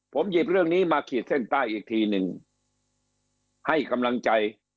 ผมหยิบเรื่องนี้มาขีดเส้นใต้อีกทีหนึ่งให้กำลังใจ